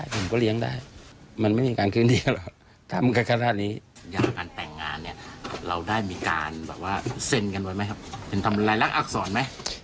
เป็นทำรายละเอียดอักษรไหม